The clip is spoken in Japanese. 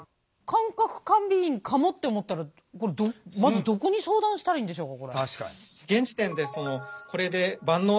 感覚過敏かもって思ったらまずどこに相談したらいいんでしょうか？